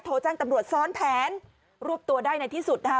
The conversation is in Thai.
โทรแจ้งตำรวจซ้อนแผนรวบตัวได้ในที่สุดนะคะ